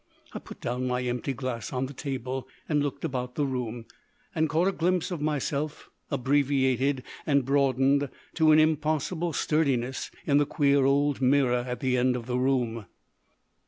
I put down my empty glass on the table and looked about the room, and caught a glimpse of myself, abbreviated and broadened to an impossible sturdiness, in the queer old mirror at the end of the room.